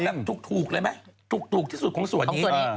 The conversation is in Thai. แล้วถูกเลยไหมถูกที่สุดของส่วนนี้